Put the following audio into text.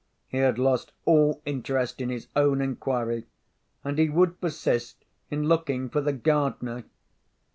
He had lost all interest in his own inquiry; and he would persist in looking for the gardener.